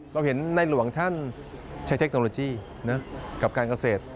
เราเห็นในหลวงท่านใช้เทคโนโลยีกับการเกษตร